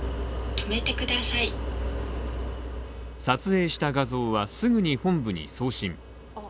撮影した画像はすぐに本部に送信。